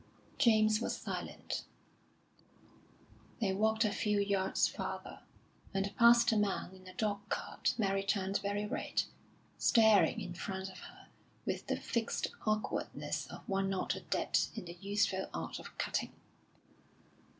James was silent. They walked a few yards farther, and passed a man in a dog cart Mary turned very red, staring in front of her with the fixed awkwardness of one not adept in the useful art of cutting.